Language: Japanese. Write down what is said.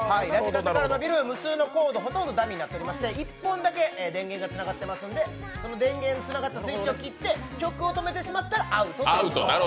無数のコード、ほとんどダミーになっていまして、１本だけ電源がつながっていますのでその電源がつながったスイッチを切って曲を止めてしまったらアウトということです。